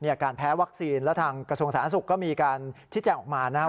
อาการแพ้วัคซีนแล้วทางกระทรวงสาธารณสุขก็มีการชี้แจงออกมานะครับ